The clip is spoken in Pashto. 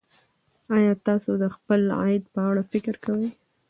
ایا تاسو د خپل عاید په اړه فکر کوئ.